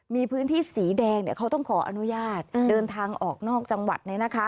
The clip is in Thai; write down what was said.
มีพื้นที่สีแดงเขาต้องขออนุญาตเดินทางออกนอกจังหวัด